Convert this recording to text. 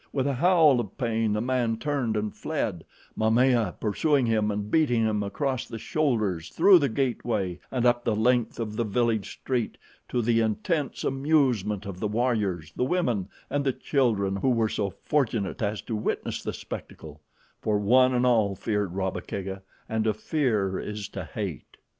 With a howl of pain, the man turned and fled, Momaya pursuing him and beating him across the shoulders, through the gateway and up the length of the village street, to the intense amusement of the warriors, the women, and the children who were so fortunate as to witness the spectacle, for one and all feared Rabba Kega, and to fear is to hate.